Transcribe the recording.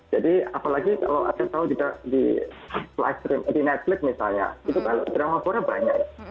jadi apalagi kalau kita di netflix misalnya drama korea banyak